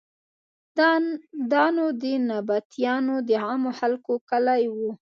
دا نو د نبطیانو د عامو خلکو کلی و.